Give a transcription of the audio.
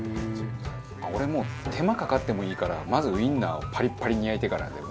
俺もう手間かかってもいいからまずウインナーをパリッパリに焼いてからでも。